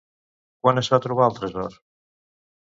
Quan es va trobar el tresor?